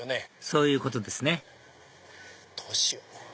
そういうことですねどうしよう。